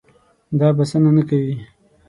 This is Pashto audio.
دا بسنه نه کوي.